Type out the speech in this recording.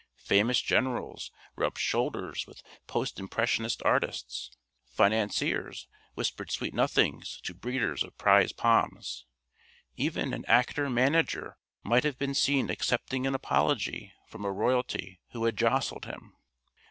Famous Generals rubbed shoulders with Post Impressionist Artists; Financiers whispered sweet nothings to Breeders of prize Poms; even an Actor Manager might have been seen accepting an apology from a Royalty who had jostled him.